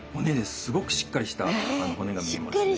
すごくしっかりした骨が見えますね。